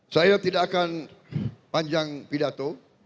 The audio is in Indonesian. saya tidak akan panjang pidato